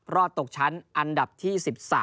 ตกชั้นอันดับที่๑๓